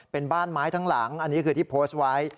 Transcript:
เป็นบ้านไม้ทั้งหลังอันนี้คือที่โพสต์ไว้